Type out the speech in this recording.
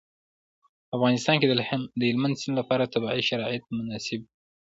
په افغانستان کې د هلمند سیند لپاره طبیعي شرایط مناسب دي.